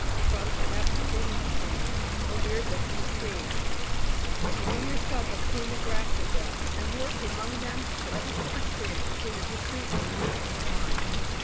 Your father, perhaps, planted the trees, or reared them from the seed, and you yourself have pruned and grafted them, and worked among them, till every separate tree has a peculiar history and meaning in your mind.